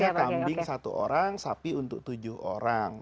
satu orang kambing satu orang sapi untuk tujuh orang